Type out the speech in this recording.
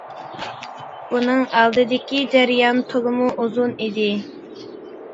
بۇنىڭ ئالدىدىكى جەريان تولىمۇ ئۇزۇن ئىدى.